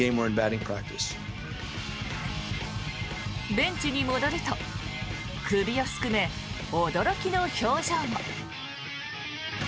ベンチに戻ると首をすくめ驚きの表情も。